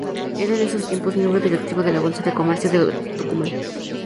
Era, en esos tiempos, miembro directivo de la Bolsa de Comercio de Tucumán.